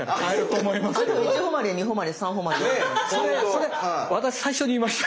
それ私最初に言いました。